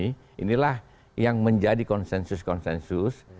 bahwa itu adalah yang menjadi konsensus konsensus